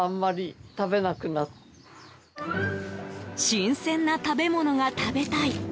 新鮮な食べ物が食べたい。